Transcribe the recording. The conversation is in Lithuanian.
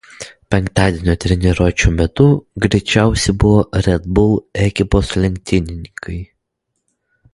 Penktadienio treniruočių metu greičiausi buvo Red Bull ekipos lenktynininkai.